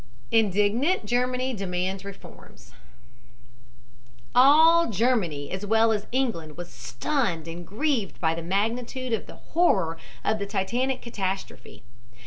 INDIGNANT GERMANY DEMANDS REFORMS All Germany as well as England was stunned and grieved by the magnitude of the horror of the Titanic catastrophe.